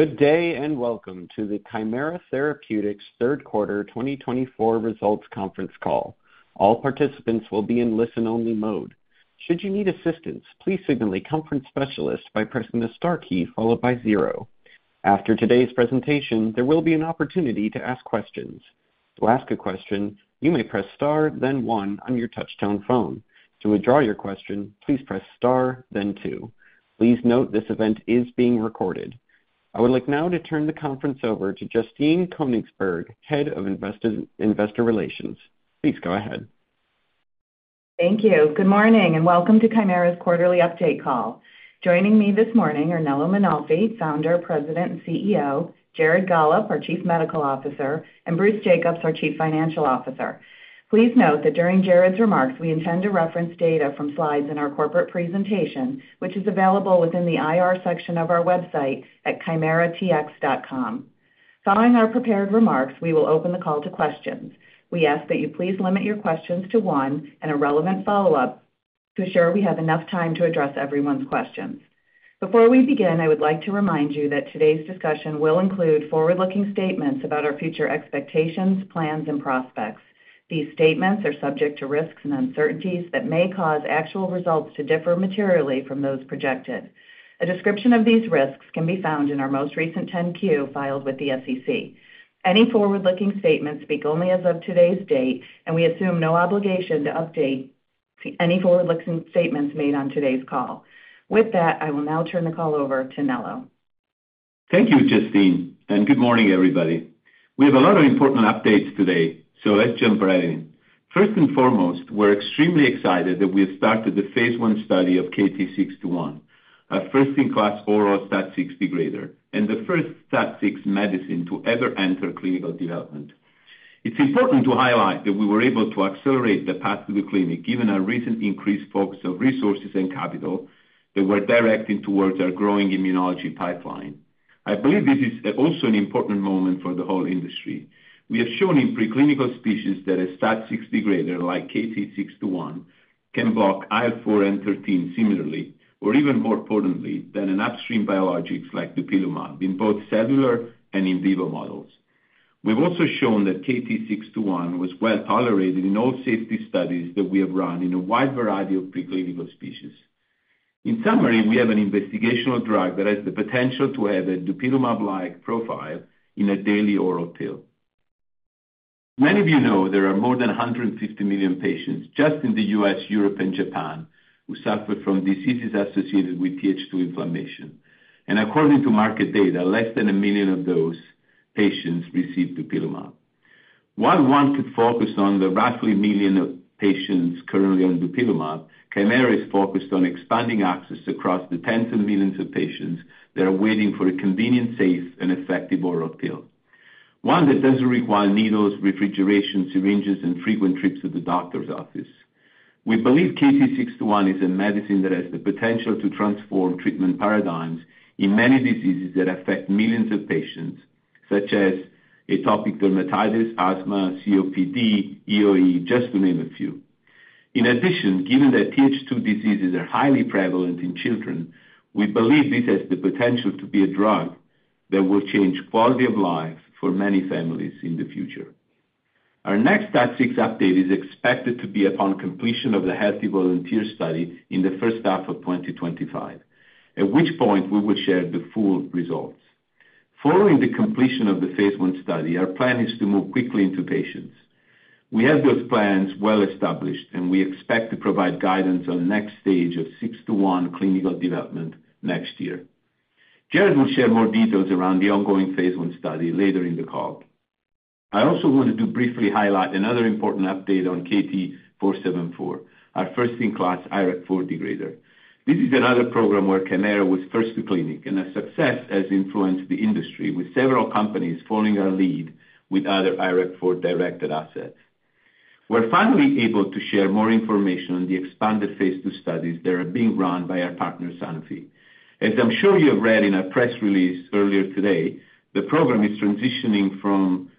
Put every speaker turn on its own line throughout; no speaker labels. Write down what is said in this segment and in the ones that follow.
Good day and welcome to the Kymera Therapeutics third quarter 2024 results conference call. All participants will be in listen-only mode. Should you need assistance, please signal a conference specialist by pressing the star key followed by zero. After today's presentation, there will be an opportunity to ask questions. To ask a question, you may press star, then one on your touch-tone phone. To withdraw your question, please press star, then two. Please note this event is being recorded. I would like now to turn the conference over to Justine Koenigsberg, Head of Investor Relations. Please go ahead.
Thank you. Good morning and welcome to Kymera's quarterly update call. Joining me this morning are Nello Mainolfi, Founder, President, and CEO. Jared Gollob, our Chief Medical Officer. And Bruce Jacobs, our Chief Financial Officer. Please note that during Jared's remarks, we intend to reference data from slides in our corporate presentation, which is available within the IR section of our website at kymeratx.com. Following our prepared remarks, we will open the call to questions. We ask that you please limit your questions to one and a relevant follow-up to assure we have enough time to address everyone's questions. Before we begin, I would like to remind you that today's discussion will include forward-looking statements about our future expectations, plans, and prospects. These statements are subject to risks and uncertainties that may cause actual results to differ materially from those projected. A description of these risks can be found in our most recent 10-Q filed with the SEC. Any forward-looking statements speak only as of today's date, and we assume no obligation to update any forward-looking statements made on today's call. With that, I will now turn the call over to Nello.
Thank you, Justine, and good morning, everybody. We have a lot of important updates today, so let's jump right in. First and foremost, we're extremely excited that we have started the phase I study of KT-621, a first-in-class oral STAT6 degrader, and the first STAT6 medicine to ever enter clinical development. It's important to highlight that we were able to accelerate the path to the clinic given our recent increased focus of resources and capital that we're directing towards our growing immunology pipeline. I believe this is also an important moment for the whole industry. We have shown in preclinical species that a STAT6 degrader like KT-621 can block IL-4 and IL-13 similarly, or even more potently than an upstream biologic like dupilumab in both cellular and in vivo models. We've also shown that KT-621 was well tolerated in all safety studies that we have run in a wide variety of preclinical species. In summary, we have an investigational drug that has the potential to have a dupilumab-like profile in a daily oral pill. Many of you know there are more than 150 million patients just in the U.S., Europe, and Japan who suffer from diseases associated with Th2 inflammation. And according to market data, less than a million of those patients receive dupilumab. While one could focus on the roughly million patients currently on dupilumab, Kymera is focused on expanding access across the tens of millions of patients that are waiting for a convenient, safe, and effective oral pill. One that doesn't require needles, refrigeration, syringes, and frequent trips to the doctor's office. We believe KT-621 is a medicine that has the potential to transform treatment paradigms in many diseases that affect millions of patients, such as atopic dermatitis, asthma, COPD, EOE, just to name a few. In addition, given that Th2 diseases are highly prevalent in children, we believe this has the potential to be a drug that will change the quality of life for many families in the future. Our next STAT6 update is expected to be upon completion of the Healthy Volunteer study in the first half of 2025, at which point we will share the full results. Following the completion of the phase I study, our plan is to move quickly into patients. We have those plans well established, and we expect to provide guidance on the next stage of KT-621 clinical development next year. Jared will share more details around the ongoing phase I study later in the call. I also want to briefly highlight another important update on KT-474, our first-in-class IRAK4 degrader. This is another program where Kymera was first to clinic, and a success has influenced the industry with several companies following our lead with other IRAK4-directed assets. We're finally able to share more information on the expanded phase II studies that are being run by our partner, Sanofi. As I'm sure you have read in our press release earlier today, the program is transitioning from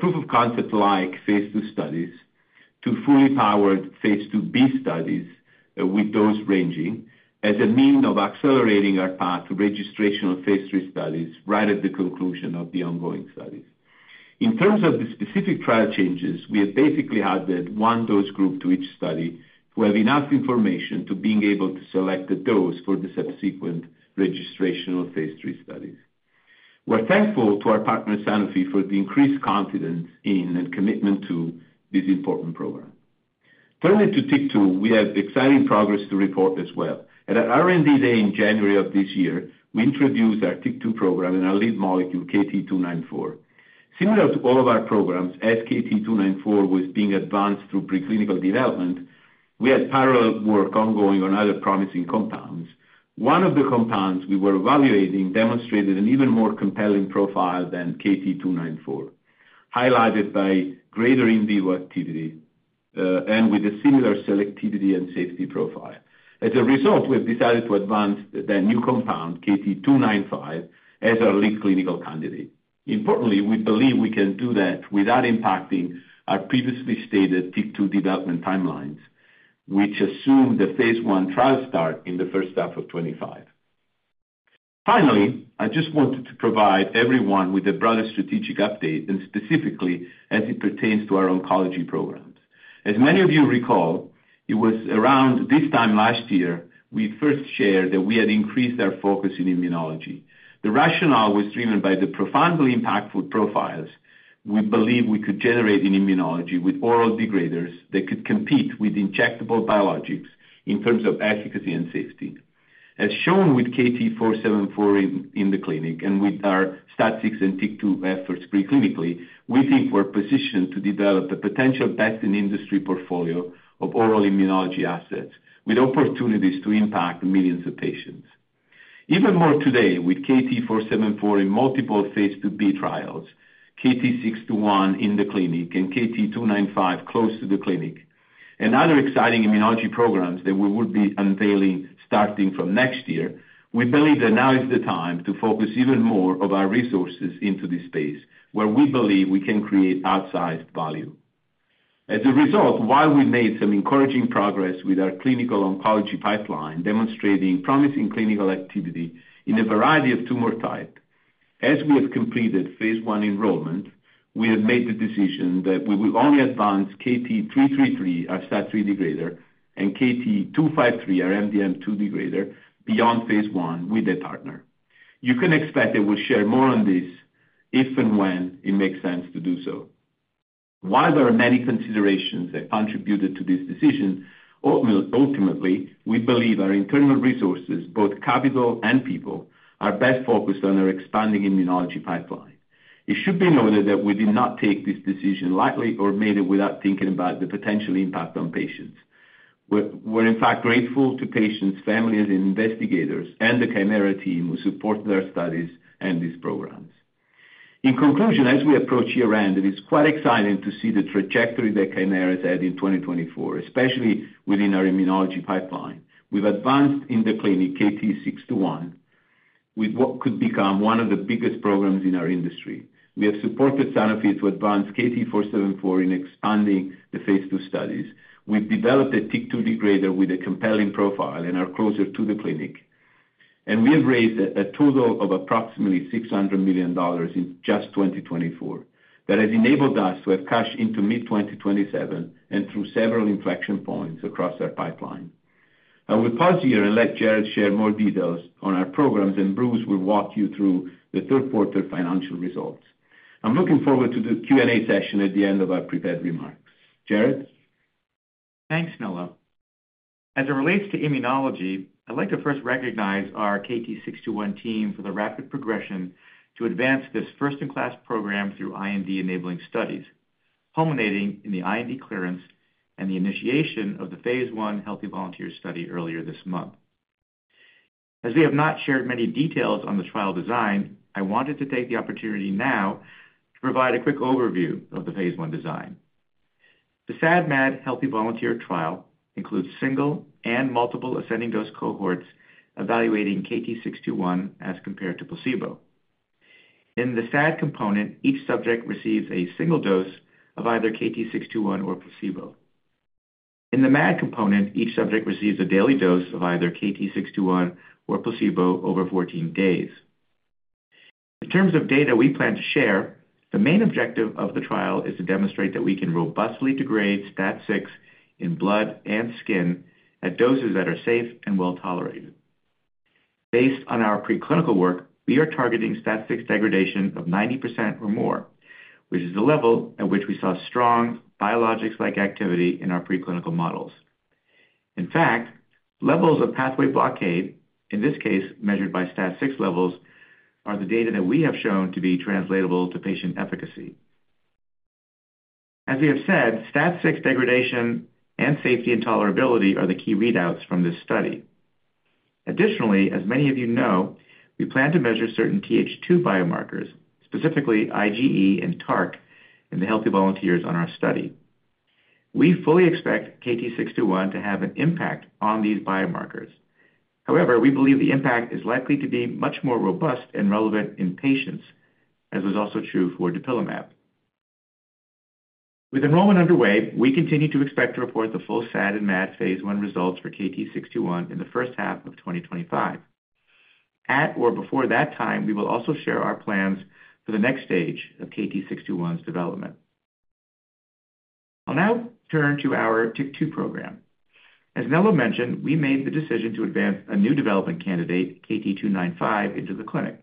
proof of concept-like phase II studies to fully powered phase II-B studies, with dose ranging, as a means of accelerating our path to registration of phase III studies right at the conclusion of the ongoing studies. In terms of the specific trial changes, we have basically added one dose group to each study to have enough information to be able to select a dose for the subsequent registration of phase III studies. We're thankful to our partner, Sanofi, for the increased confidence in and commitment to this important program. Turning to TYK2, we have exciting progress to report as well. At our R&D day in January of this year, we introduced our TYK2 program and our lead molecule, KT-294. Similar to all of our programs, as KT-294 was being advanced through preclinical development, we had parallel work ongoing on other promising compounds. One of the compounds we were evaluating demonstrated an even more compelling profile than KT-294, highlighted by greater in vivo activity and with a similar selectivity and safety profile. As a result, we have decided to advance the new compound, KT-295, as our lead clinical candidate. Importantly, we believe we can do that without impacting our previously stated TYK2 development timelines, which assume the phase I trial start in the first half of 2025. Finally, I just wanted to provide everyone with a broader strategic update, and specifically as it pertains to our oncology programs. As many of you recall, it was around this time last year we first shared that we had increased our focus in immunology. The rationale was driven by the profoundly impactful profiles we believe we could generate in immunology with oral degraders that could compete with injectable biologics in terms of efficacy and safety. As shown with KT-474 in the clinic and with our STAT6 and TYK2 efforts preclinically, we think we're positioned to develop a potential best-in-industry portfolio of oral immunology assets with opportunities to impact millions of patients. Even more today, with KT-474 in multiple phase II-B trials, KT-621 in the clinic, and KT-295 close to the clinic, and other exciting immunology programs that we will be unveiling starting from next year, we believe that now is the time to focus even more of our resources into this space where we believe we can create outsized value. As a result, while we've made some encouraging progress with our clinical oncology pipeline demonstrating promising clinical activity in a variety of tumor types, as we have completed phase I enrollment, we have made the decision that we will only advance KT-333, our STAT3 degrader, and KT-253, our MDM2 degrader, beyond phase I with a partner. You can expect that we'll share more on this if and when it makes sense to do so. While there are many considerations that contributed to this decision, ultimately, we believe our internal resources, both capital and people, are best focused on our expanding immunology pipeline. It should be noted that we did not take this decision lightly or made it without thinking about the potential impact on patients. We're, in fact, grateful to patients, families, and investigators, and the Kymera team who supported our studies and these programs. In conclusion, as we approach year-end, it is quite exciting to see the trajectory that Kymera has had in 2024, especially within our immunology pipeline. We've advanced in the clinic KT-621 with what could become one of the biggest programs in our industry. We have supported Sanofi to advance KT-474 in expanding the phase II studies. We've developed a TYK2 degrader with a compelling profile and are closer to the clinic. And we have raised a total of approximately $600 million in just 2024 that has enabled us to have cash into mid-2027 and through several inflection points across our pipeline. I will pause here and let Jared share more details on our programs, and Bruce will walk you through the third quarter financial results. I'm looking forward to the Q&A session at the end of our prepared remarks. Jared?
Thanks, Nello. As it relates to immunology, I'd like to first recognize our KT-621 team for the rapid progression to advance this first-in-class program through IND-enabling studies, culminating in the IND clearance and the initiation of the phase I healthy volunteer study earlier this month. As we have not shared many details on the trial design, I wanted to take the opportunity now to provide a quick overview of the phase I design. The SAD/MAD healthy volunteer trial includes single and multiple ascending dose cohorts evaluating KT-621 as compared to placebo. In the SAD component, each subject receives a single dose of either KT-621 or placebo. In the MAD component, each subject receives a daily dose of either KT-621 or placebo over 14 days. In terms of data we plan to share, the main objective of the trial is to demonstrate that we can robustly degrade STAT6 in blood and skin at doses that are safe and well tolerated. Based on our preclinical work, we are targeting STAT6 degradation of 90% or more, which is the level at which we saw strong biologics-like activity in our preclinical models. In fact, levels of pathway blockade, in this case measured by STAT6 levels, are the data that we have shown to be translatable to patient efficacy. As we have said, STAT6 degradation and safety and tolerability are the key readouts from this study. Additionally, as many of you know, we plan to measure certain Th2 biomarkers, specifically IgE and TARC, in the healthy volunteers on our study. We fully expect KT-621 to have an impact on these biomarkers. However, we believe the impact is likely to be much more robust and relevant in patients, as was also true for dupilumab. With enrollment underway, we continue to expect to report the full SAD and MAD phase I results for KT-621 in the first half of 2025. At or before that time, we will also share our plans for the next stage of KT-621's development. I'll now turn to our TYK2 program. As Nello mentioned, we made the decision to advance a new development candidate, KT-295, into the clinic,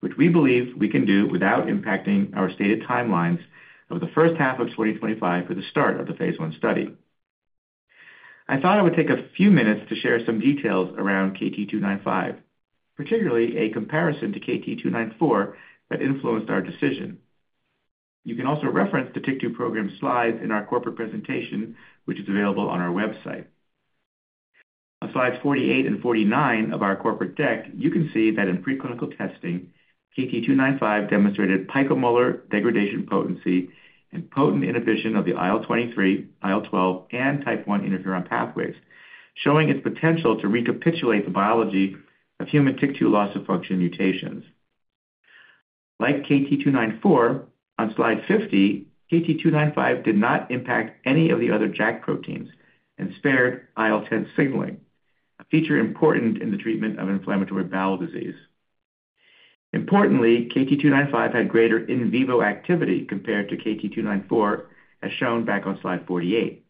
which we believe we can do without impacting our stated timelines of the first half of 2025 for the start of the phase I study. I thought I would take a few minutes to share some details around KT-295, particularly a comparison to KT-294 that influenced our decision. You can also reference the TYK2 program slides in our corporate presentation, which is available on our website. On slides 48 and 49 of our corporate deck, you can see that in preclinical testing, KT-295 demonstrated picomolar degradation potency and potent inhibition of the IL-23, IL-12, and type I interferon pathways, showing its potential to recapitulate the biology of human TYK2 loss of function mutations. Like KT-294, on slide 50, KT-295 did not impact any of the other JAK proteins and spared IL-10 signaling, a feature important in the treatment of inflammatory bowel disease. Importantly, KT-295 had greater in vivo activity compared to KT-294, as shown back on slide 48.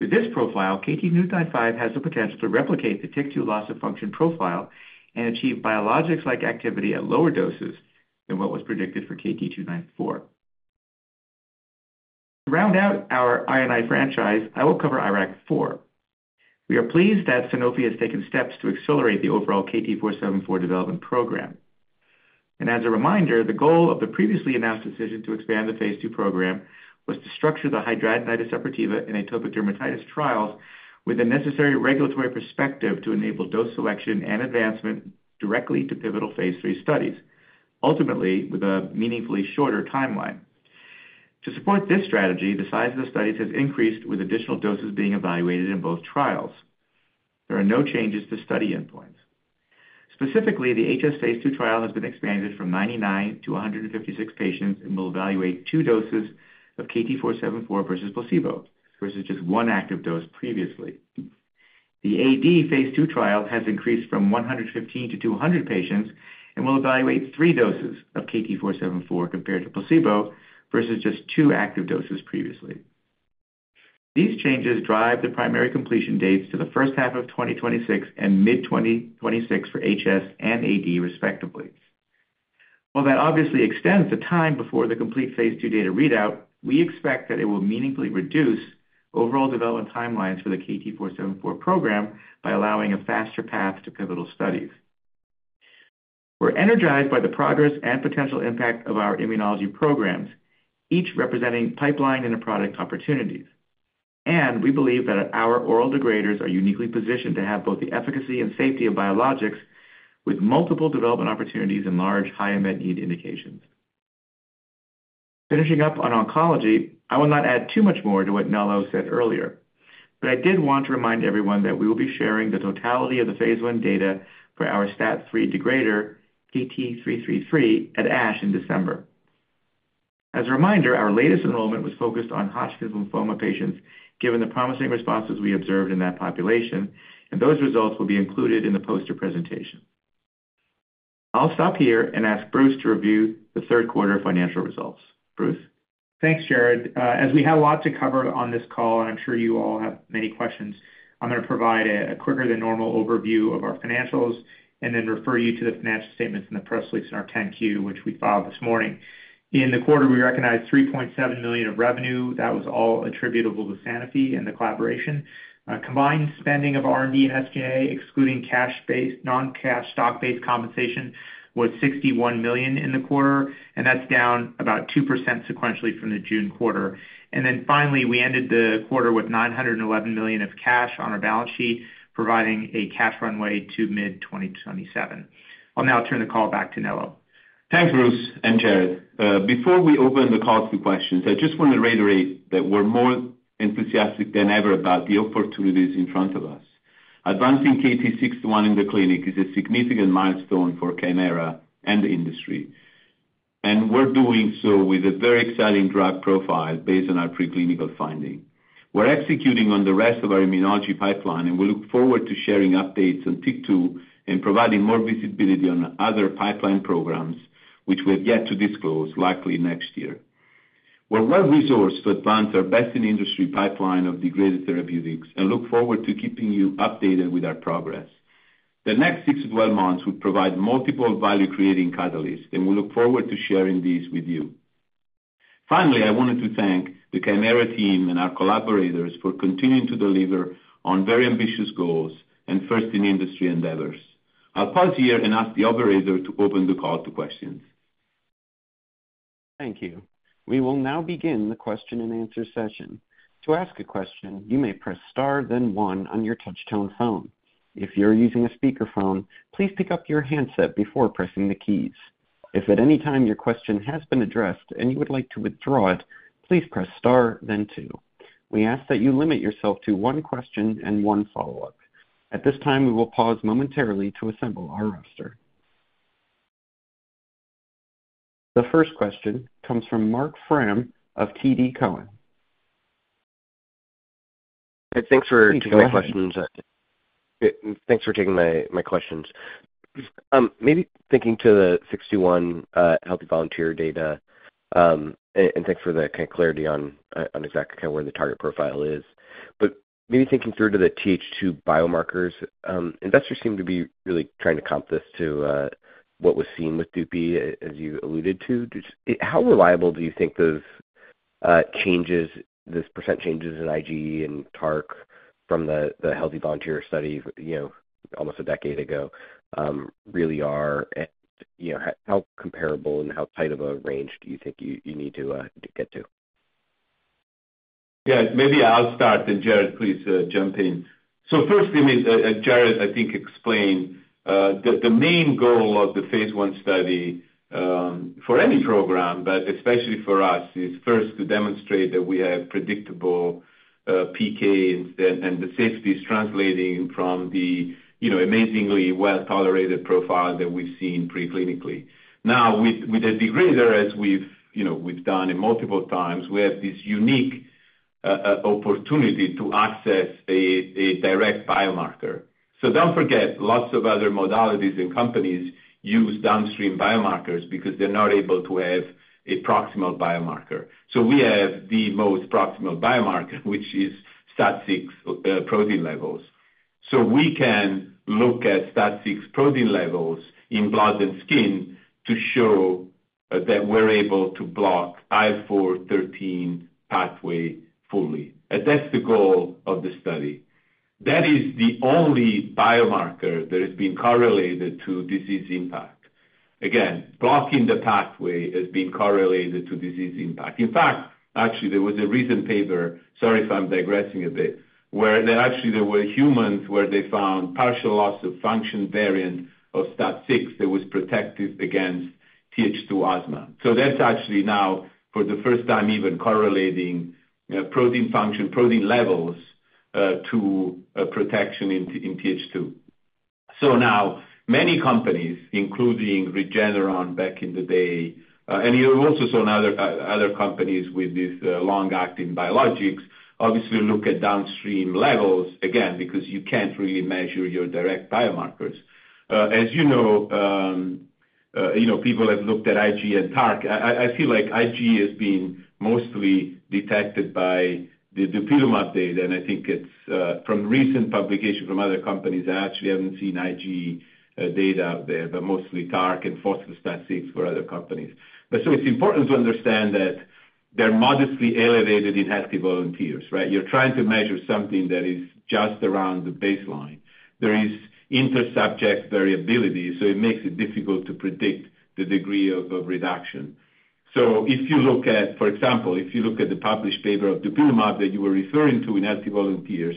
With this profile, KT-295 has the potential to replicate the TYK2 loss of function profile and achieve biologics-like activity at lower doses than what was predicted for KT-294. To round out our I&I franchise, I will cover IRAK4. We are pleased that Sanofi has taken steps to accelerate the overall KT-474 development program. And as a reminder, the goal of the previously announced decision to expand the phase II program was to structure the hidradenitis suppurativa and atopic dermatitis trials with the necessary regulatory perspective to enable dose selection and advancement directly to pivotal phase III studies, ultimately with a meaningfully shorter timeline. To support this strategy, the size of the studies has increased with additional doses being evaluated in both trials. There are no changes to study endpoints. Specifically, the HS phase II trial has been expanded from 99 to 156 patients and will evaluate two doses of KT-474 versus placebo versus just one active dose previously. The AD phase II trial has increased from 115 to 200 patients and will evaluate three doses of KT-474 compared to placebo versus just two active doses previously. These changes drive the primary completion dates to the first half of 2026 and mid-2026 for HS and AD, respectively. While that obviously extends the time before the complete phase II data readout, we expect that it will meaningfully reduce overall development timelines for the KT-474 program by allowing a faster path to pivotal studies. We're energized by the progress and potential impact of our immunology programs, each representing pipeline and product opportunities, and we believe that our oral degraders are uniquely positioned to have both the efficacy and safety of biologics with multiple development opportunities and large high unmet need indications. Finishing up on oncology, I will not add too much more to what Nello said earlier, but I did want to remind everyone that we will be sharing the totality of the phase I data for our STAT3 degrader, KT-333, at ASH in December. As a reminder, our latest enrollment was focused on Hodgkin's lymphoma patients given the promising responses we observed in that population, and those results will be included in the poster presentation. I'll stop here and ask Bruce to review the third quarter financial results. Bruce?
Thanks, Jared. As we have a lot to cover on this call, and I'm sure you all have many questions, I'm going to provide a quicker than normal overview of our financials and then refer you to the financial statements and the press release in our 10-Q, which we filed this morning. In the quarter, we recognized $3.7 million of revenue. That was all attributable to Sanofi and the collaboration. Combined spending of R&D and SG&A, excluding cash-based, non-cash, stock-based compensation, was $61 million in the quarter, and that's down about 2% sequentially from the June quarter. Then finally, we ended the quarter with $911 million of cash on our balance sheet, providing a cash runway to mid-2027. I'll now turn the call back to Nello.
Thanks, Bruce and Jared. Before we open the call to questions, I just want to reiterate that we're more enthusiastic than ever about the opportunities in front of us. Advancing KT-621 in the clinic is a significant milestone for Kymera and the industry, and we're doing so with a very exciting drug profile based on our preclinical finding. We're executing on the rest of our immunology pipeline, and we look forward to sharing updates on TYK2 and providing more visibility on other pipeline programs, which we have yet to disclose, likely next year. We're well resourced to advance our best-in-industry pipeline of degraded therapeutics and look forward to keeping you updated with our progress. The next six to 12 months will provide multiple value-creating catalysts, and we look forward to sharing these with you. Finally, I wanted to thank the Kymera team and our collaborators for continuing to deliver on very ambitious goals and first-in-industry endeavors. I'll pause here and ask the operator to open the call to questions.
Thank you. We will now begin the question-and-answer session. To ask a question, you may press Star, then 1 on your touch-tone phone. If you're using a speakerphone, please pick up your handset before pressing the keys. If at any time your question has been addressed and you would like to withdraw it, please press Star, then 2. We ask that you limit yourself to one question and one follow-up. At this time, we will pause momentarily to assemble our roster. The first question comes from Marc Frahm of TD Cowen.
Hey, thanks for taking my questions. Thanks for taking my questions. Maybe thinking to the 61 healthy volunteer data, and thanks for the kind of clarity on exactly kind of where the target profile is. But maybe thinking through to the Th2 biomarkers, investors seem to be really trying to comp this to what was seen with DUPI, as you alluded to. How reliable do you think those changes, this percent changes in IgE and TARC from the healthy volunteer study almost a decade ago really are? How comparable and how tight of a range do you think you need to get to?
Yeah, maybe I'll start, and Jared, please jump in. So first, I mean, Jared, I think, explained that the main goal of the phase I study for any program, but especially for us, is first to demonstrate that we have predictable PK, and the safety is translating from the amazingly well-tolerated profile that we've seen preclinically. Now, with the degrader, as we've done multiple times, we have this unique opportunity to access a direct biomarker. So don't forget, lots of other modalities and companies use downstream biomarkers because they're not able to have a proximal biomarker. So we have the most proximal biomarker, which is STAT6 protein levels. So we can look at STAT6 protein levels in blood and skin to show that we're able to block IL-4/IL-13 pathway fully. And that's the goal of the study. That is the only biomarker that has been correlated to disease impact. Again, blocking the pathway has been correlated to disease impact. In fact, actually, there was a recent paper, sorry if I'm digressing a bit, where actually there were humans where they found partial loss of function variant of STAT6 that was protective against Th2 asthma. So that's actually now, for the first time, even correlating protein function, protein levels to protection in Th2. So now, many companies, including Regeneron back in the day, and you also saw other companies with these long-acting biologics, obviously look at downstream levels, again, because you can't really measure your direct biomarkers. As you know, people have looked at IgE and TARC. I feel like IgE has been mostly detected by the dupilumab data, and I think it's from recent publications from other companies. I actually haven't seen IgE data out there, but mostly TARC and phospho-STAT6 for other companies. It's important to understand that they're modestly elevated in healthy volunteers, right? You're trying to measure something that is just around the baseline. There is inter-subject variability, so it makes it difficult to predict the degree of reduction. If you look at, for example, if you look at the published paper of dupilumab that you were referring to in healthy volunteers,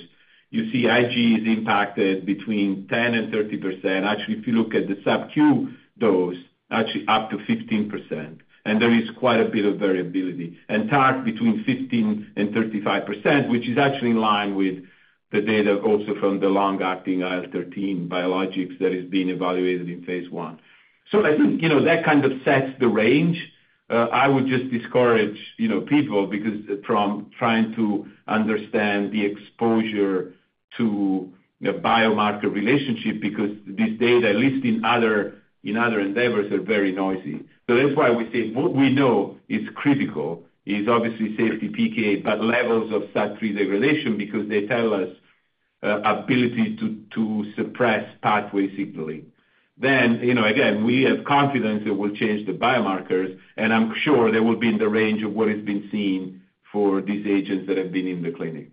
you see IgE is impacted between 10%-30%. Actually, if you look at the sub-Q dose, actually up to 15%. And there is quite a bit of variability. And TARC between 15%-35%, which is actually in line with the data also from the long-acting IL-13 biologics that is being evaluated in phase I. I think that kind of sets the range. I would just discourage people because from trying to understand the exposure to biomarker relationship because these data, at least in other endeavors, are very noisy. So that's why we say what we know is critical is obviously safety PK, but levels of STAT3 degradation because they tell us ability to suppress pathway signaling. Then, again, we have confidence it will change the biomarkers, and I'm sure they will be in the range of what has been seen for these agents that have been in the clinic.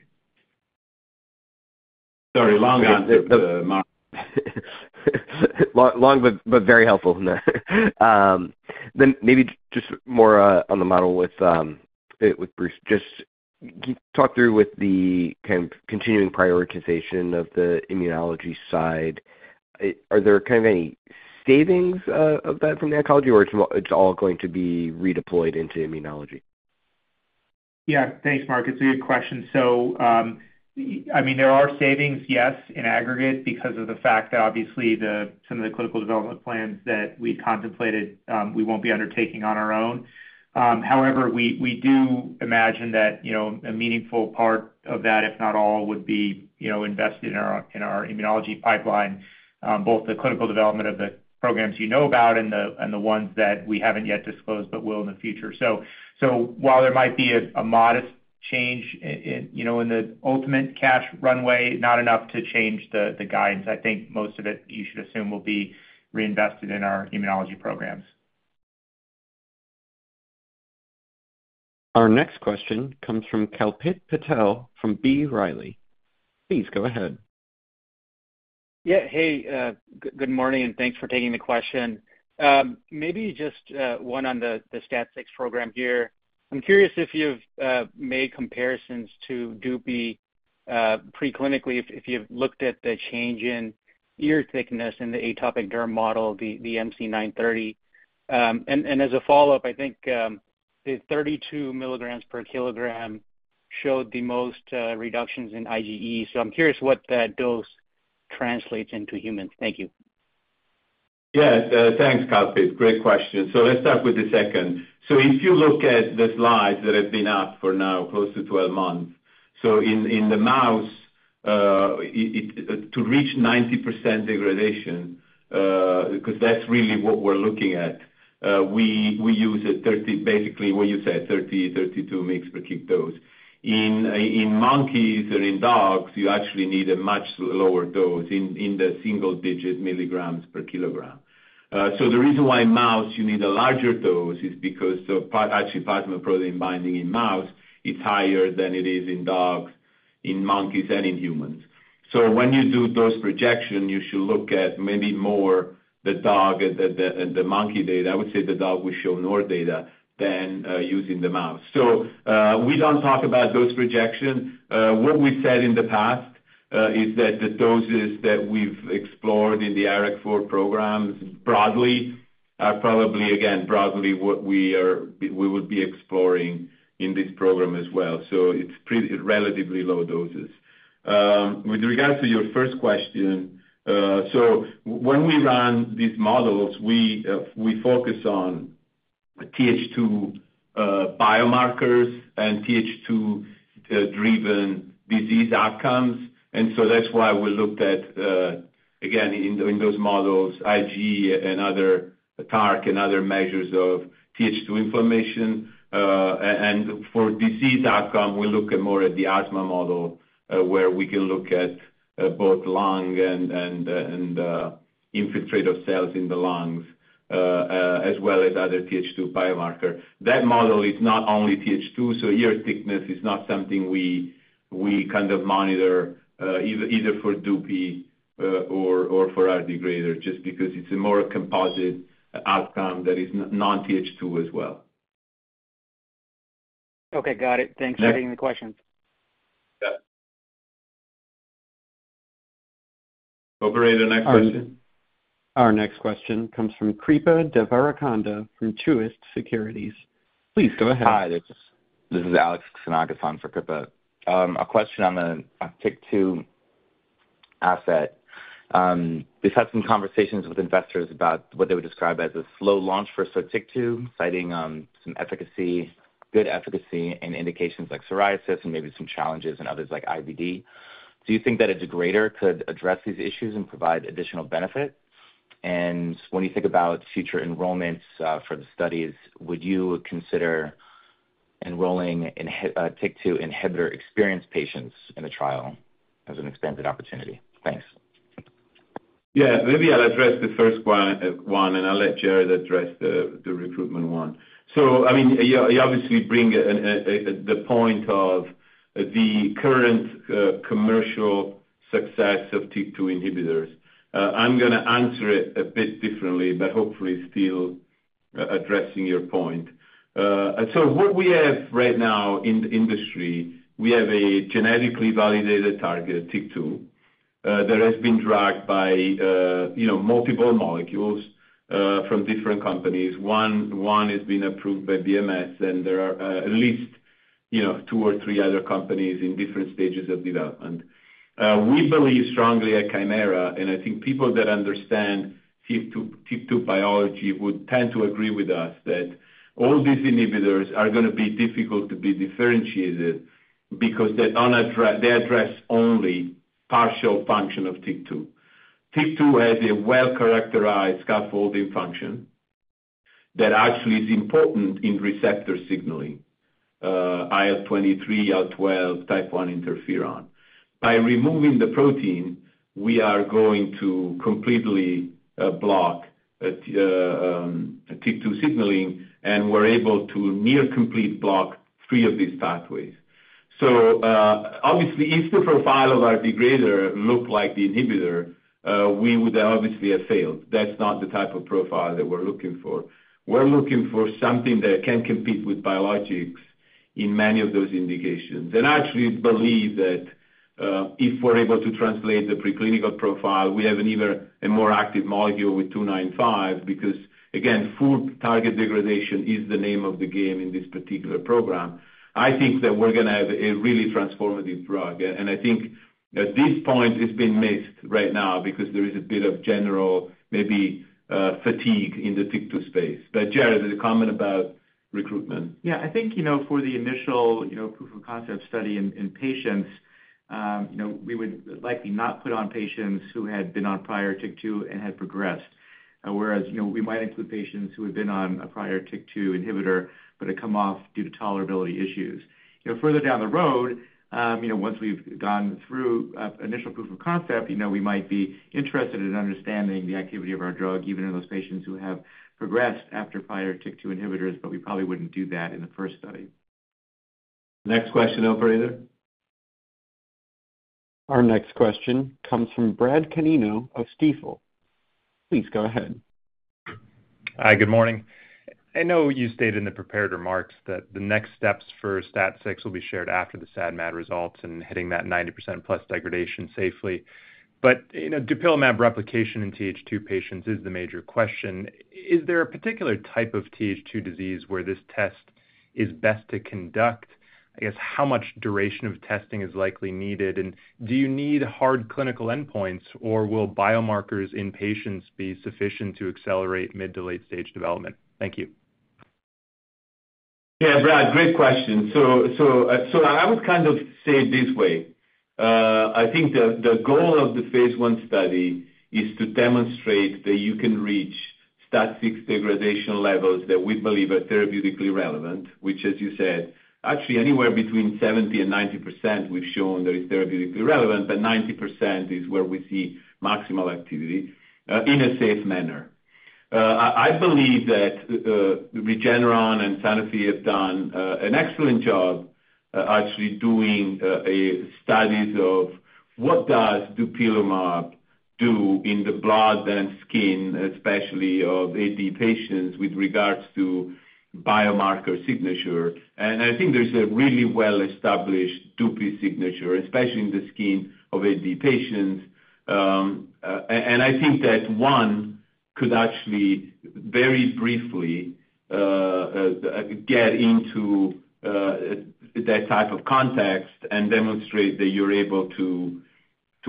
Sorry, long answer, Marc.
Long but very helpful. Then maybe just more on the model with Bruce. Just talk through with the kind of continuing prioritization of the immunology side. Are there kind of any savings of that from the oncology, or it's all going to be redeployed into immunology?
Yeah, thanks, Mark. It's a good question. So I mean, there are savings, yes, in aggregate because of the fact that obviously some of the clinical development plans that we contemplated, we won't be undertaking on our own. However, we do imagine that a meaningful part of that, if not all, would be invested in our immunology pipeline, both the clinical development of the programs you know about and the ones that we haven't yet disclosed but will in the future. So while there might be a modest change in the ultimate cash runway, not enough to change the guidance, I think most of it, you should assume, will be reinvested in our immunology programs.
Our next question comes from Kalpit Patel from B. Riley. Please go ahead.
Yeah, hey, good morning, and thanks for taking the question. Maybe just one on the STAT6 program here. I'm curious if you've made comparisons to DUPI preclinically, if you've looked at the change in ear thickness in the atopic derm model, the MC903. And as a follow-up, I think the 32 mg/kg showed the most reductions in IgE. So I'm curious what that dose translates into humans. Thank you.
Yeah, thanks, Kalpit. Great question. So let's start with the second. So if you look at the slides that have been out for now, close to 12 months, so in the mouse, to reach 90% degradation, because that's really what we're looking at, we use a 30 mg, basically, what you said, 30 mg, 32 mg/kg dose. In monkeys and in dogs, you actually need a much lower dose in the single-digit milligrams per kilogram. So the reason why in mouse you need a larger dose is because actually plasma protein binding in mouse, it's higher than it is in dogs, in monkeys, and in humans. So when you do dose projection, you should look at maybe more the dog and the monkey data. I would say the dog will show more data than using the mouse. So we don't talk about dose projection. What we said in the past is that the doses that we've explored in the IRAK4 programs broadly are probably, again, broadly what we would be exploring in this program as well. So it's relatively low doses. With regards to your first question, so when we run these models, we focus on Th2 biomarkers and Th2-driven disease outcomes. And so that's why we looked at, again, in those models, IgE and other TARC and other measures of Th2 inflammation. And for disease outcome, we look more at the asthma model where we can look at both lung and infiltrative cells in the lungs, as well as other Th2 biomarkers. That model is not only Th2, so ear thickness is not something we kind of monitor either for DUPI or for our degrader, just because it's a more composite outcome that is non-Th2 as well.
Okay, got it. Thanks for taking the question.
Yeah. Operator, next question.
Our next question comes from Kripa Devarakonda from Truist Securities. Please go ahead.
Hi, this is Alex Siniakov on for Kripa. A question on the TYK2 asset. They've had some conversations with investors about what they would describe as a slow launch for a certain TYK2, citing some efficacy, good efficacy, and indications like psoriasis and maybe some challenges in others like IBD. Do you think that a degrader could address these issues and provide additional benefit? And when you think about future enrollments for the studies, would you consider enrolling in TYK2 inhibitor experienced patients in the trial as an expanded opportunity? Thanks.
Yeah, maybe I'll address the first one, and I'll let Jared address the recruitment one. So I mean, you obviously bring the point of the current commercial success of TYK2 inhibitors. I'm going to answer it a bit differently, but hopefully still addressing your point. So what we have right now in the industry, we have a genetically validated target, TYK2, that has been drugged by multiple molecules from different companies. One has been approved by BMS, and there are at least two or three other companies in different stages of development. We believe strongly at Kymera, and I think people that understand TYK2 biology would tend to agree with us that all these inhibitors are going to be difficult to be differentiated because they address only partial function of TYK2. TYK2 has a well-characterized scaffolding function that actually is important in receptor signaling, IL-23, IL-12, type I interferon. By removing the protein, we are going to completely block TYK2 signaling, and we're able to near-complete block three of these pathways. So obviously, if the profile of our degrader looked like the inhibitor, we would obviously have failed. That's not the type of profile that we're looking for. We're looking for something that can compete with biologics in many of those indications. And I actually believe that if we're able to translate the preclinical profile, we have a more active molecule with KT-295 because, again, full target degradation is the name of the game in this particular program. I think that we're going to have a really transformative drug. And I think at this point, it's been missed right now because there is a bit of general maybe fatigue in the TYK2 space. But Jared, a comment about recruitment.
Yeah, I think for the initial proof of concept study in patients, we would likely not put on patients who had been on prior TYK2 and had progressed, whereas we might include patients who had been on a prior TYK2 inhibitor but had come off due to tolerability issues. Further down the road, once we've gone through initial proof of concept, we might be interested in understanding the activity of our drug, even in those patients who have progressed after prior TYK2 inhibitors, but we probably wouldn't do that in the first study.
Next question, operator.
Our next question comes from Brad Canino of Stifel. Please go ahead.
Hi, good morning. I know you stated in the prepared remarks that the next steps for STAT6 will be shared after the SAD/MAD results and hitting that 90% plus degradation safely. But dupilumab replication in Th2 patients is the major question. Is there a particular type of Th2 disease where this test is best to conduct? I guess, how much duration of testing is likely needed? And do you need hard clinical endpoints, or will biomarkers in patients be sufficient to accelerate mid to late-stage development? Thank you.
Yeah, Brad, great question, so I would kind of say it this way. I think the goal of the phase I study is to demonstrate that you can reach STAT6 degradation levels that we believe are therapeutically relevant, which, as you said, actually anywhere between 70%-90% we've shown that is therapeutically relevant, but 90% is where we see maximal activity in a safe manner. I believe that Regeneron and Sanofi have done an excellent job actually doing studies of what does dupilumab do in the blood and skin, especially of AD patients with regards to biomarker signature, and I think there's a really well-established DUPI signature, especially in the skin of AD patients. I think that one could actually very briefly get into that type of context and demonstrate that you're able to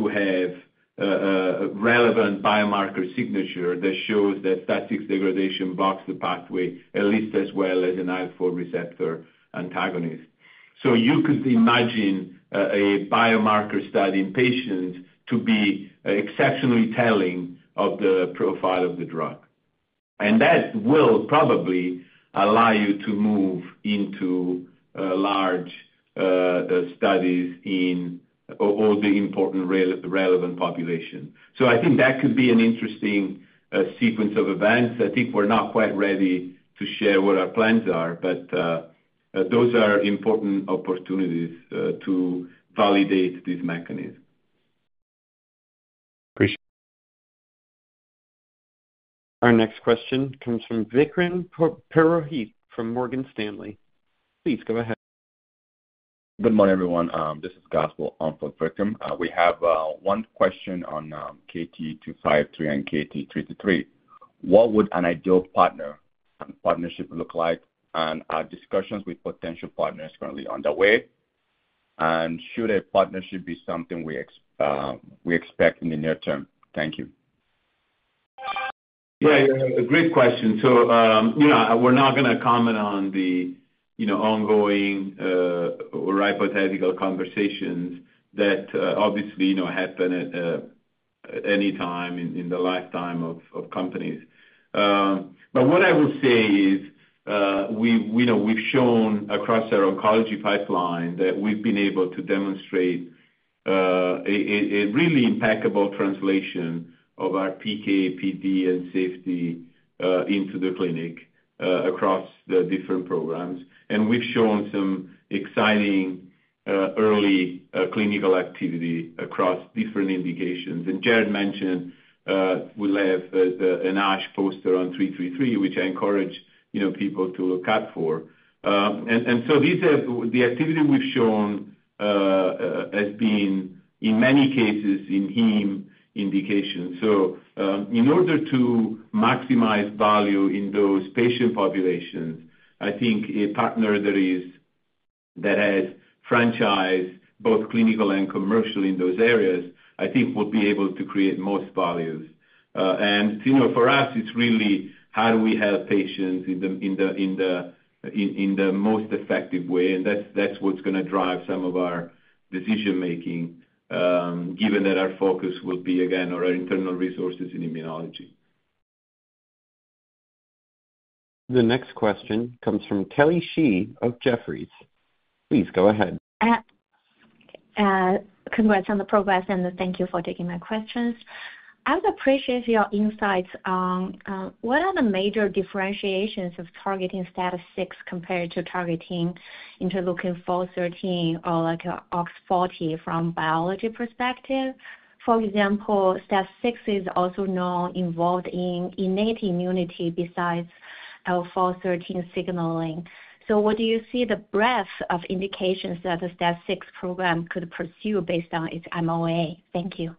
have relevant biomarker signature that shows that STAT6 degradation blocks the pathway at least as well as an IL-4 receptor antagonist. You could imagine a biomarker study in patients to be exceptionally telling of the profile of the drug. That will probably allow you to move into large studies in all the important relevant populations. I think that could be an interesting sequence of events. I think we're not quite ready to share what our plans are, but those are important opportunities to validate this mechanism.
Appreciate it.
Our next question comes from Vikram Purohit from Morgan Stanley. Please go ahead.
Good morning, everyone. This is Gospel on for Vikram. We have one question on KT-253 and KT-333. What would an ideal partnership look like? And are discussions with potential partners currently underway? And should a partnership be something we expect in the near term? Thank you.
Yeah, great question, so we're not going to comment on the ongoing or hypothetical conversations that obviously happen at any time in the lifetime of companies, but what I will say is we've shown across our oncology pipeline that we've been able to demonstrate a really impeccable translation of our PK, PD, and safety into the clinic across the different programs, and we've shown some exciting early clinical activity across different indications, and Jared mentioned we have an ASH poster on KT-333, which I encourage people to look out for, and so the activity we've shown has been, in many cases, in heme indications, so in order to maximize value in those patient populations, I think a partner that has franchise, both clinical and commercial, in those areas, I think will be able to create most values. For us, it's really how do we help patients in the most effective way. That's what's going to drive some of our decision-making, given that our focus will be, again, on our internal resources in immunology.
The next question comes from Kelly Shi of Jefferies. Please go ahead.
Congrats on the progress, and thank you for taking my questions. I would appreciate your insights on what are the major differentiations of targeting STAT6 compared to targeting interleukin-4/13 or OX40 from a biology perspective. For example, STAT6 is also now involved in innate immunity besides IL-4/IL-13 signaling. So what do you see the breadth of indications that the STAT6 program could pursue based on its MOA? Thank you.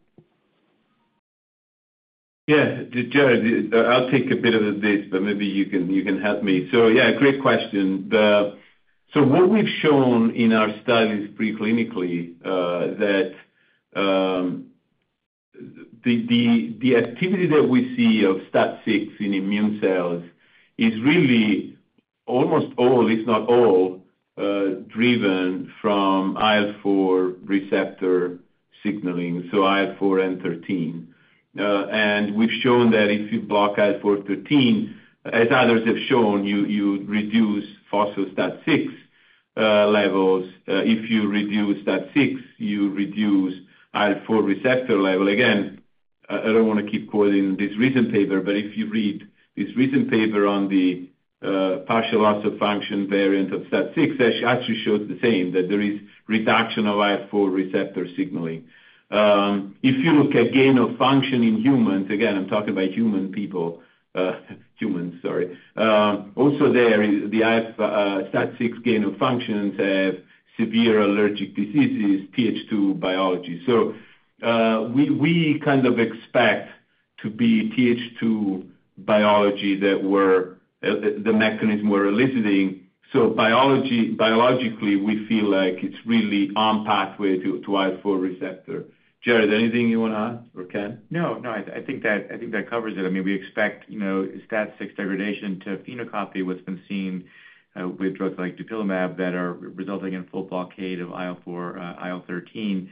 Yeah, Jared, I'll take a bit of this, but maybe you can help me. So yeah, great question. So what we've shown in our studies preclinically is that the activity that we see of STAT6 in immune cells is really almost all, if not all, driven from IL-4 receptor signaling, so IL-4 and IL-13. And we've shown that if you block IL-4/IL-13, as others have shown, you reduce phospho STAT6 levels. If you reduce STAT6, you reduce IL-4 receptor level. Again, I don't want to keep quoting this recent paper, but if you read this recent paper on the partial loss of function variant of STAT6, it actually shows the same, that there is reduction of IL-4 receptor signaling. If you look at gain of function in humans, again, I'm talking about human people, humans, sorry. Also there, the STAT6 gain of function has severe allergic diseases, Th2 biology. So, we kind of expect to be Th2 biology that the mechanism we're eliciting. So, biologically, we feel like it's really on pathway to IL-4 receptor. Jared, anything you want to add or can?
No, no. I think that covers it. I mean, we expect STAT6 degradation to phenocopy what's been seen with drugs like dupilumab that are resulting in full blockade of IL-4/IL-13,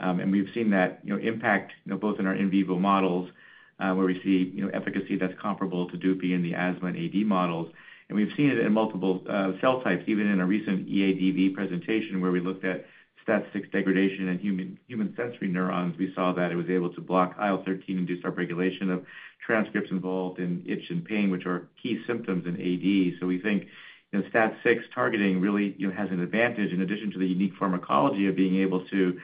and we've seen that impact both in our in vivo models where we see efficacy that's comparable to DUPI in the asthma and AD models, and we've seen it in multiple cell types. Even in a recent EADV presentation where we looked at STAT6 degradation in human sensory neurons, we saw that it was able to block IL-13 and do some regulation of transcripts involved in itch and pain, which are key symptoms in AD. So we think STAT6 targeting really has an advantage in addition to the unique pharmacology of being able to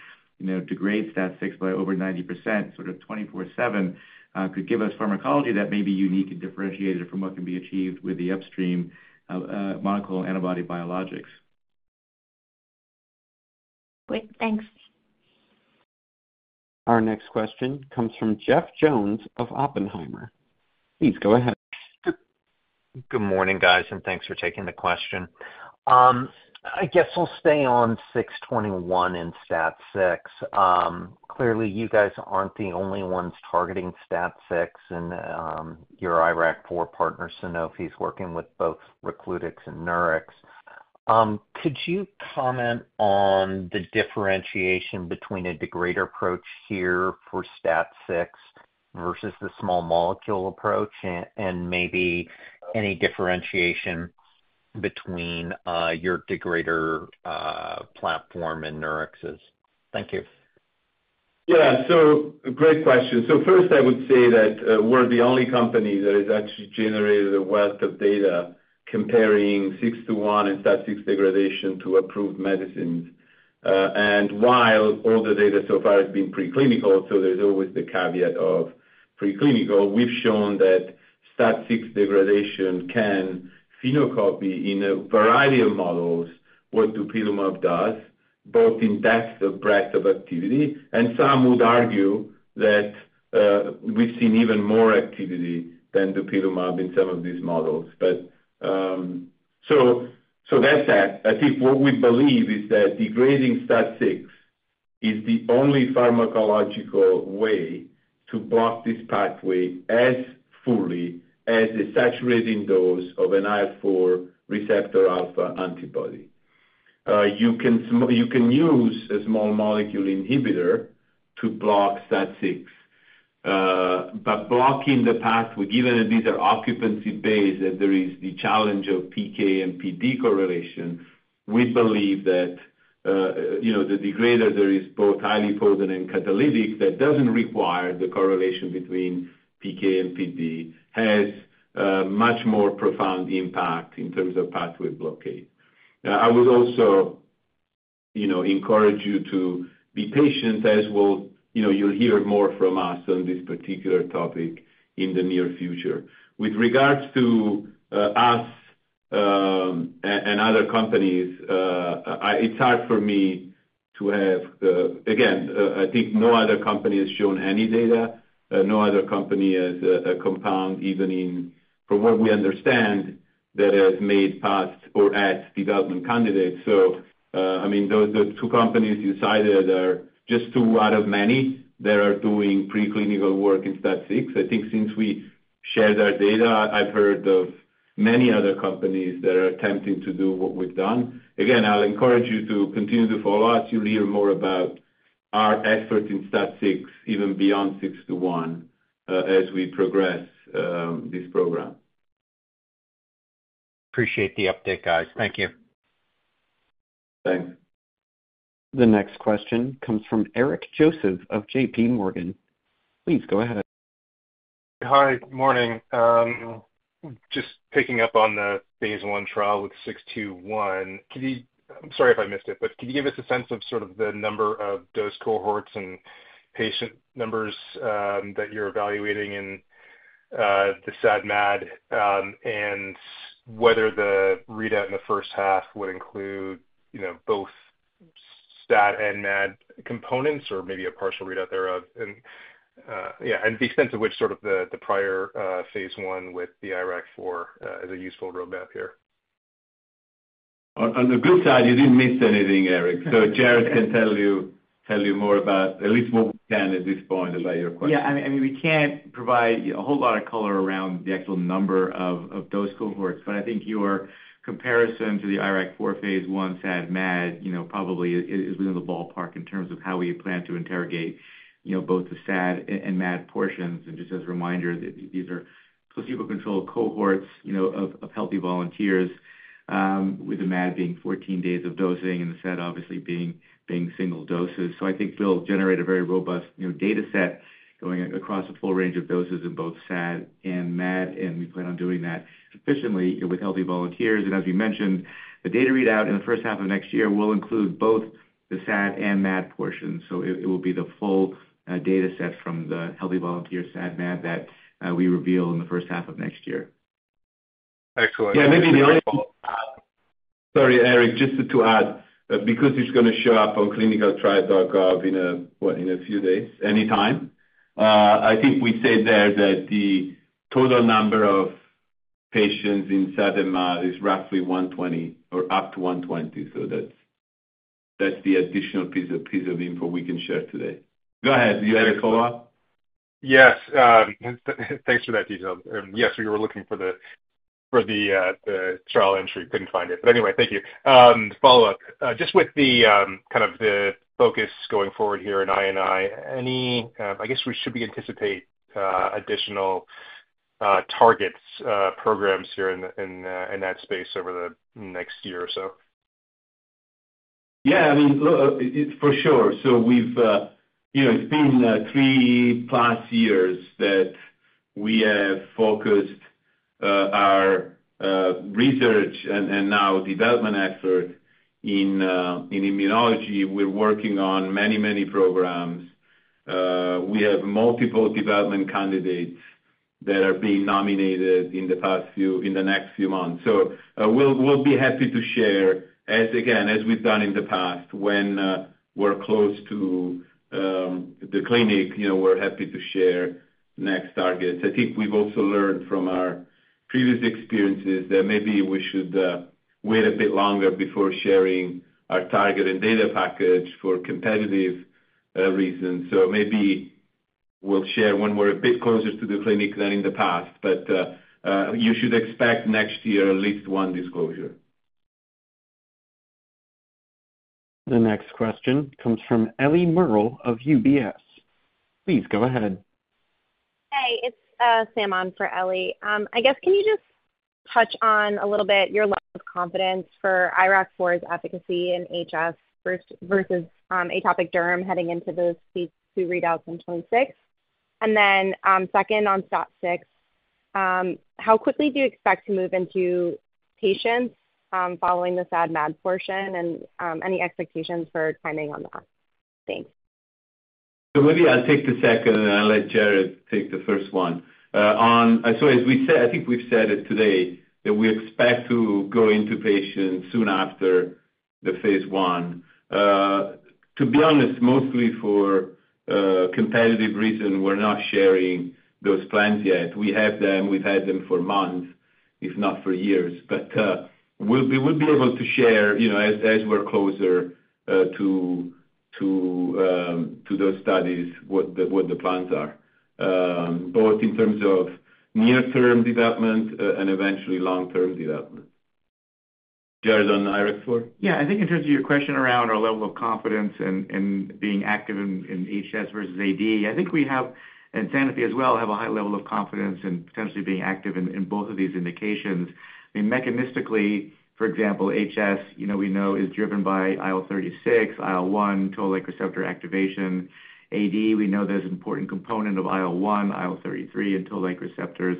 degrade STAT6 by over 90%, sort of 24/7, could give us pharmacology that may be unique and differentiated from what can be achieved with the upstream monoclonal antibody biologics.
Great. Thanks.
Our next question comes from Jeff Jones of Oppenheimer. Please go ahead.
Good morning, guys, and thanks for taking the question. I guess I'll stay on KT-621 and STAT6. Clearly, you guys aren't the only ones targeting STAT6, and your IRAK4 partner, Sanofi, is working with both Recludix and Nurix. Could you comment on the differentiation between a degrader approach here for STAT6 versus the small molecule approach, and maybe any differentiation between your degrader platform and Nurix's? Thank you.
Yeah, so great question. So first, I would say that we're the only company that has actually generated a wealth of data comparing KT-621 and STAT6 degradation to approved medicines. And while all the data so far has been preclinical, so there's always the caveat of preclinical, we've shown that STAT6 degradation can phenocopy in a variety of models what dupilumab does, both in depth and breadth of activity. And some would argue that we've seen even more activity than dupilumab in some of these models. So that said, I think what we believe is that degrading STAT6 is the only pharmacological way to block this pathway as fully as the saturating dose of an IL-4 receptor alpha antibody. You can use a small molecule inhibitor to block STAT6. But blocking the pathway, given that these are occupancy-based, that there is the challenge of PK and PD correlation, we believe that the degrader that is both highly potent and catalytic that doesn't require the correlation between PK and PD has a much more profound impact in terms of pathway blockade. I would also encourage you to be patient as well. You'll hear more from us on this particular topic in the near future. With regards to us and other companies, it's hard for me to have, again, I think no other company has shown any data. No other company has a compound, even from what we understand, that has made it to development candidates. So I mean, the two companies you cited are just two out of many that are doing preclinical work in STAT6. I think since we shared our data, I've heard of many other companies that are attempting to do what we've done. Again, I'll encourage you to continue to follow us. You'll hear more about our effort in STAT6, even beyond KT-621, as we progress this program.
Appreciate the update, guys. Thank you.
Thanks.
The next question comes from Eric Joseph of JPMorgan. Please go ahead.
Hi, good morning. Just picking up on the phase I trial with KT-621. I'm sorry if I missed it, but can you give us a sense of sort of the number of dose cohorts and patient numbers that you're evaluating in the SAD/MAD and whether the readout in the first half would include both SAD and MAD components or maybe a partial readout thereof? And yeah, and the extent to which sort of the prior phase I with the IRAK4 is a useful roadmap here.
On the good side, you didn't miss anything, Eric. So Jared can tell you more about at least what we can at this point about your question.
Yeah. I mean, we can't provide a whole lot of color around the actual number of dose cohorts, but I think your comparison to the IRAK4 phase I SAD/MAD probably is within the ballpark in terms of how we plan to interrogate both the SAD and MAD portions. And just as a reminder, these are placebo-controlled cohorts of healthy volunteers, with the MAD being 14 days of dosing and the SAD obviously being single doses. So I think we'll generate a very robust data set going across a full range of doses in both SAD and MAD, and we plan on doing that sufficiently with healthy volunteers. And as we mentioned, the data readout in the first half of next year will include both the SAD and MAD portions. It will be the full data set from the healthy volunteer SAD/MAD that we reveal in the first half of next year.
Excellent.
Yeah, maybe the only. Sorry, Eric, just to add, because it's going to show up on ClinicalTrials.gov in a few days, anytime, I think we said there that the total number of patients in SAD/MAD is roughly 120 or up to 120. So that's the additional piece of info we can share today. Go ahead. You had a follow-up?
Yes. Thanks for that detail. Yes, we were looking for the trial entry. Couldn't find it. But anyway, thank you. Follow-up. Just with kind of the focus going forward here in I&I, I guess we should be anticipating additional targets, programs here in that space over the next year or so.
Yeah. I mean, for sure. So it's been 3+ years that we have focused our research and development effort in immunology. We're working on many, many programs. We have multiple development candidates that are being nominated in the next few months. So we'll be happy to share, again, as we've done in the past. When we're close to the clinic, we're happy to share next targets. I think we've also learned from our previous experiences that maybe we should wait a bit longer before sharing our target and data package for competitive reasons. So maybe we'll share when we're a bit closer to the clinic than in the past. But you should expect next year at least one disclosure.
The next question comes from Ellie Merle of UBS. Please go ahead. Hey, it's Sam on for Ellie. I guess can you just touch on a little bit your level of confidence for IRAK4's efficacy in HS versus atopic derm heading into these two readouts in 2026? And then second on STAT6, how quickly do you expect to move into patients following the SAD/MAD portion and any expectations for timing on that? Thanks.
So maybe I'll take the second, and I'll let Jared take the first one. So I think we've said it today that we expect to go into patients soon after the phase I. To be honest, mostly for competitive reasons, we're not sharing those plans yet. We have them. We've had them for months, if not for years. But we will be able to share as we're closer to those studies what the plans are, both in terms of near-term development and eventually long-term development. Jared on IRAK4?
Yeah. I think in terms of your question around our level of confidence in being active in HS versus AD, I think we have, and Sanofi as well, have a high level of confidence in potentially being active in both of these indications. I mean, mechanistically, for example, HS, we know is driven by IL-36, IL-1, Toll-like receptor activation. AD, we know there's an important component of IL-1, IL-33, and Toll-like receptors.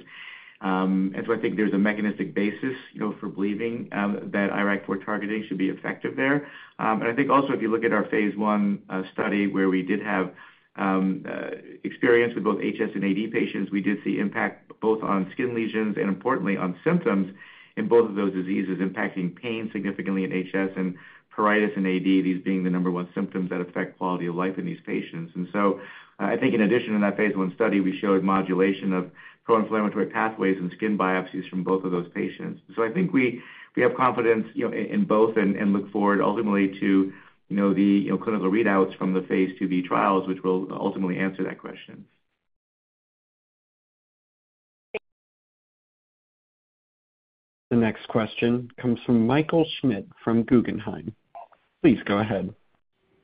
And so I think there's a mechanistic basis for believing that IRAK4 targeting should be effective there. I think also, if you look at our phase I study where we did have experience with both HS and AD patients, we did see impact both on skin lesions and, importantly, on symptoms in both of those diseases impacting pain significantly in HS and pruritus in AD, these being the number one symptoms that affect quality of life in these patients. So I think in addition to that phase I study, we showed modulation of pro-inflammatory pathways and skin biopsies from both of those patients. I think we have confidence in both and look forward ultimately to the clinical readouts from the phase II-B trials, which will ultimately answer that question.
The next question comes from Michael Schmidt from Guggenheim. Please go ahead.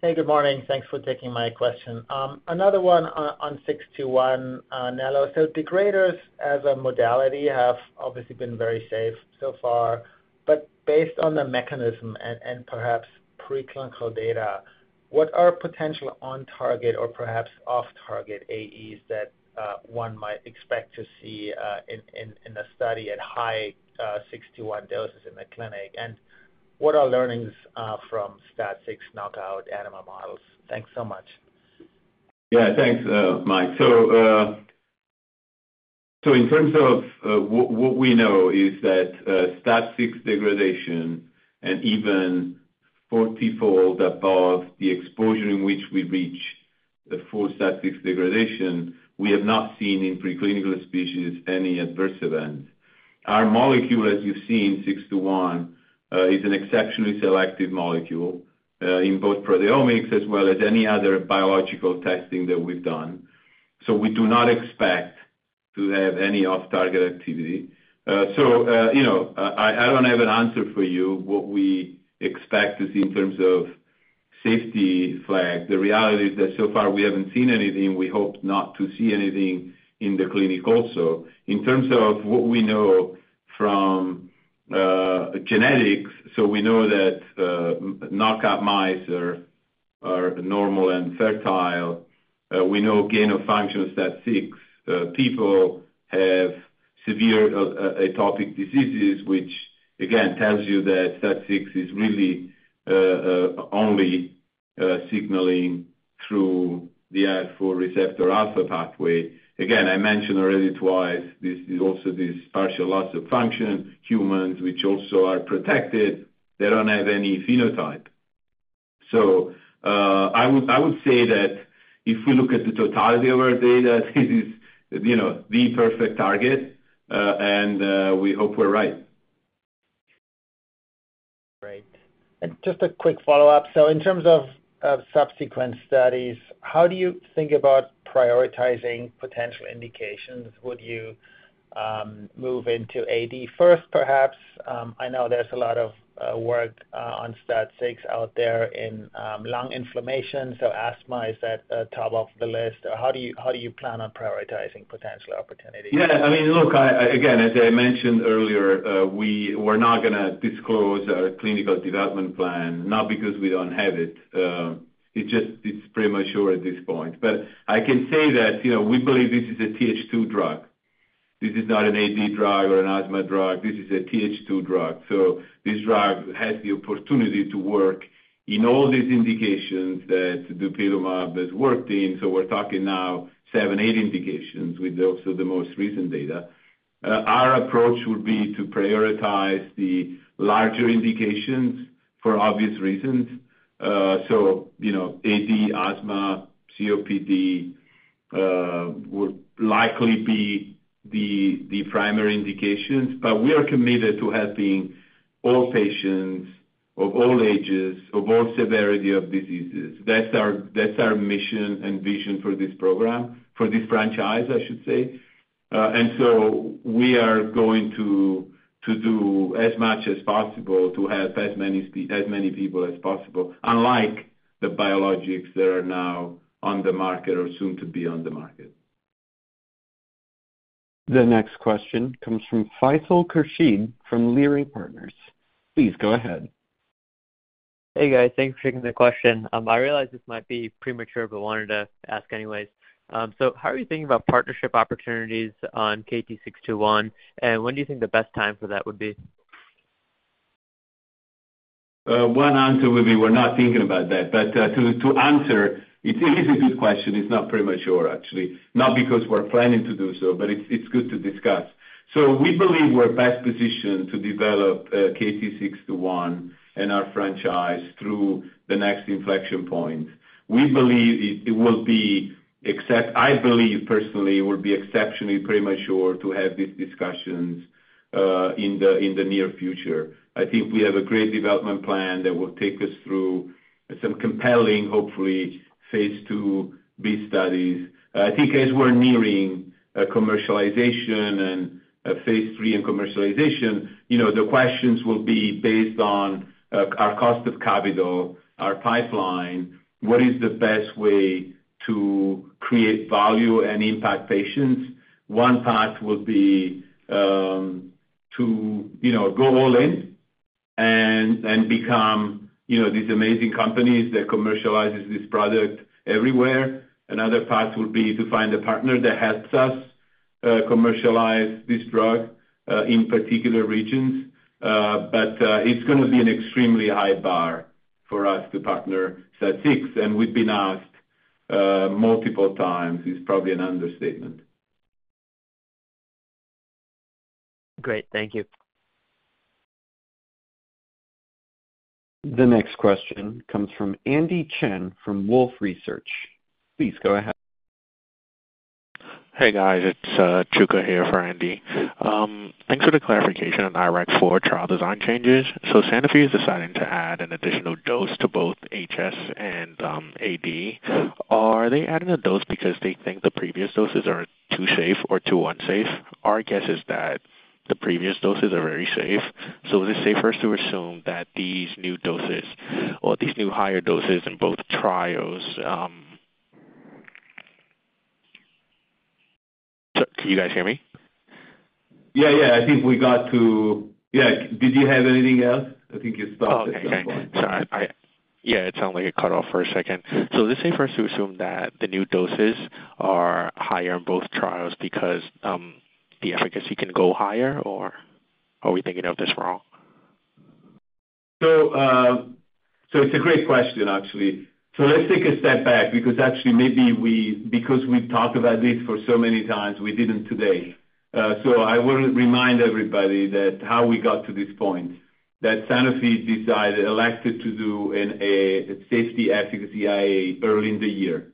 Hey, good morning. Thanks for taking my question. Another one on KT-621, Nello. So degraders as a modality have obviously been very safe so far. But based on the mechanism and perhaps preclinical data, what are potential on-target or perhaps off-target AEs that one might expect to see in a study at high KT-621 doses in the clinic? And what are learnings from STAT6 knockout animal models? Thanks so much.
Yeah. Thanks, Mike. So in terms of what we know is that STAT6 degradation and even 40-fold above the exposure in which we reach the full STAT6 degradation, we have not seen in preclinical species any adverse events. Our molecule, as you've seen, KT-621, is an exceptionally selective molecule in both proteomics as well as any other biological testing that we've done. So we do not expect to have any off-target activity. So I don't have an answer for you. What we expect is in terms of safety flag. The reality is that so far we haven't seen anything. We hope not to see anything in the clinic also. In terms of what we know from genetics, so we know that knockout mice are normal and fertile. We know gain of function of STAT6. People have severe atopic diseases, which, again, tells you that STAT6 is really only signaling through the IL-4 receptor alpha pathway. Again, I mentioned already twice this is also this partial loss of function. Humans, which also are protected, they don't have any phenotype. So I would say that if we look at the totality of our data, this is the perfect target, and we hope we're right.
Great. And just a quick follow-up. So in terms of subsequent studies, how do you think about prioritizing potential indications? Would you move into AD first, perhaps? I know there's a lot of work on STAT6 out there in lung inflammation. So asthma is at the top of the list. How do you plan on prioritizing potential opportunities?
Yeah. I mean, look, again, as I mentioned earlier, we're not going to disclose our clinical development plan, not because we don't have it. It's premature at this point. But I can say that we believe this is a Th2 drug. This is not an AD drug or an asthma drug. This is a Th2 drug. So this drug has the opportunity to work in all these indications that dupilumab has worked in. So we're talking now seven, eight indications with also the most recent data. Our approach would be to prioritize the larger indications for obvious reasons. So AD, asthma, COPD would likely be the primary indications. But we are committed to helping all patients of all ages, of all severity of diseases. That's our mission and vision for this program, for this franchise, I should say. We are going to do as much as possible to help as many people as possible, unlike the biologics that are now on the market or soon to be on the market.
The next question comes from Faisal Khurshid from Leerink Partners. Please go ahead.
Hey, guys. Thanks for taking the question. I realize this might be premature, but wanted to ask anyways. So how are you thinking about partnership opportunities on KT-621? And when do you think the best time for that would be?
One answer would be we're not thinking about that. But to answer, it is a good question. It's not premature, actually. Not because we're planning to do so, but it's good to discuss. So we believe we're best positioned to develop KT-621 and our franchise through the next inflection point. We believe it will be, except, I believe, personally, it will be exceptionally premature to have these discussions in the near future. I think we have a great development plan that will take us through some compelling, hopefully, phase II-B studies. I think as we're nearing commercialization and phase III and commercialization, the questions will be based on our cost of capital, our pipeline, what is the best way to create value and impact patients. One path will be to go all in and become these amazing companies that commercialize this product everywhere. Another path will be to find a partner that helps us commercialize this drug in particular regions. But it's going to be an extremely high bar for us to partner STAT6. And we've been asked multiple times. It's probably an understatement.
Great. Thank you.
The next question comes from Andy Chen from Wolfe Research. Please go ahead.
Hey, guys. It's Chuka here for Andy. Thanks for the clarification on IRAK4 trial design changes. So Sanofi is deciding to add an additional dose to both HS and AD. Are they adding a dose because they think the previous doses are too safe or too unsafe? Our guess is that the previous doses are very safe. So is it safer to assume that these new doses or these new higher doses in both trials? Can you guys hear me?
Yeah, yeah. I think we got to yeah. Did you have anything else? I think you stopped at some point.
Oh, okay. Thanks. Yeah. It sounded like it cut off for a second. So is it safer to assume that the new doses are higher in both trials because the efficacy can go higher, or are we thinking of this wrong?
It's a great question, actually. Let's take a step back because actually, maybe because we've talked about this for so many times, we didn't today. I want to remind everybody that how we got to this point, that Sanofi elected to do a safety efficacy IA early in the year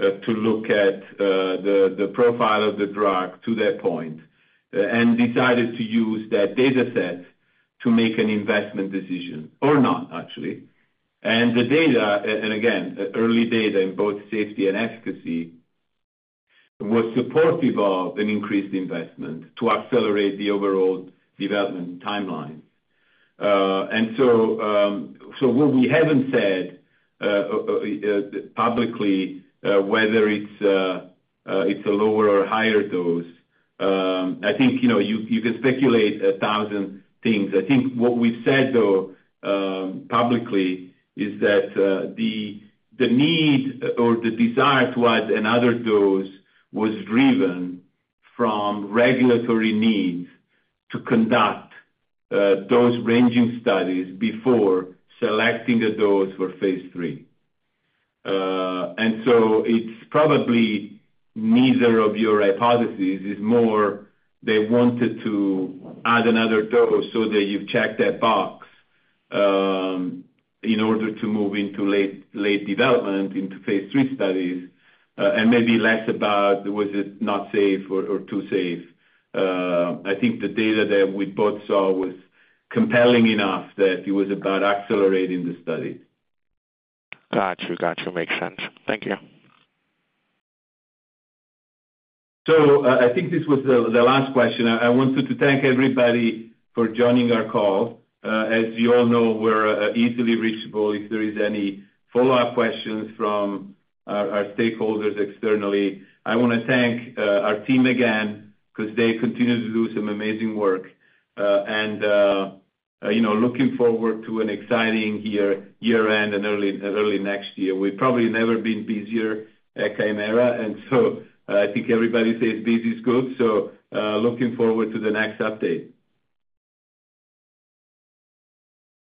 to look at the profile of the drug to that point and decided to use that dataset to make an investment decision or not, actually. The data, and again, early data in both safety and efficacy, was supportive of an increased investment to accelerate the overall development timeline. What we haven't said publicly, whether it's a lower or higher dose, I think you can speculate a thousand things. I think what we've said, though, publicly is that the need or the desire to add another dose was driven from regulatory needs to conduct those ranging studies before selecting a dose for phase III, and so it's probably neither of your hypotheses is more they wanted to add another dose so that you've checked that box in order to move into late development into phase III studies and maybe less about was it not safe or too safe. I think the data that we both saw was compelling enough that it was about accelerating the studies.
Gotcha. Gotcha. Makes sense. Thank you.
So I think this was the last question. I wanted to thank everybody for joining our call. As you all know, we're easily reachable if there are any follow-up questions from our stakeholders externally. I want to thank our team again because they continue to do some amazing work, and looking forward to an exciting year-end and early next year. We've probably never been busier at Kymera, and so I think everybody says busy is good. So looking forward to the next update.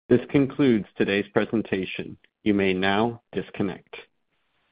This concludes today's presentation. You may now disconnect.